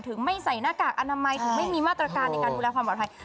ไม่ใส่หน้ากากอนามัยถึงไม่มีมาตรการในการดูแลความปลอดภัย